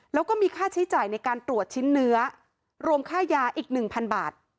แล้วก็มีค่าใช้จ่ายในการตรวจชิ้นเนื้อรวมค่ายาอีกหนึ่งพันบาท